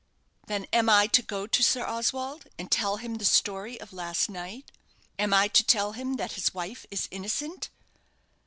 Then am I to go to Sir Oswald, and tell him the story of last night? Am I to tell him that his wife is innocent?"